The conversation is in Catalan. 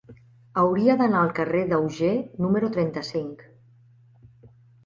Hauria d'anar al carrer d'Auger número trenta-cinc.